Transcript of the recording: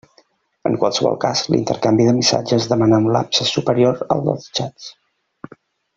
En qualsevol cas, l'intercanvi de missatges demana un lapse superior al dels xats.